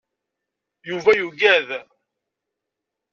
Yuba yugad.